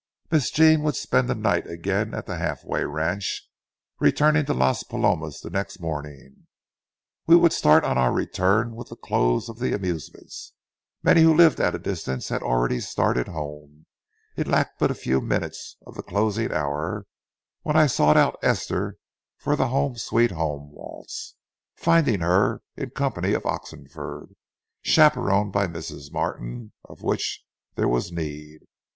Miss Jean would spend the night again at the halfway ranch, returning to Las Palomas the next morning; we would start on our return with the close of the amusements. Many who lived at a distance had already started home. It lacked but a few minutes of the closing hour when I sought out Esther for the "Home, Sweet Home" waltz, finding her in company of Oxenford, chaperoned by Mrs. Martin, of which there was need.